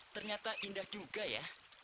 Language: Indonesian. ternyata indah juga ya